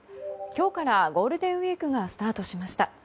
今日からゴールデンウィークがスタートしました。